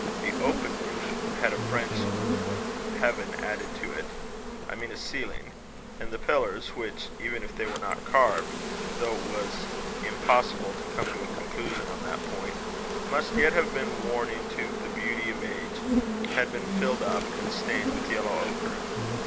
The open roof had had a French heaven added to it I mean a ceiling; and the pillars, which, even if they were not carved though it was impossible to come to a conclusion on that point must yet have been worn into the beauty of age, had been filled up, and stained with yellow ochre.